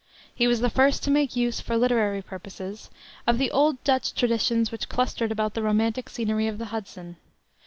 He was the first to make use, for literary purposes, of the old Dutch traditions which clustered about the romantic scenery of the Hudson.